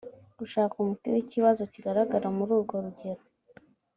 gushaka umuti w’ikibazo kigaragara muri urwo rugero i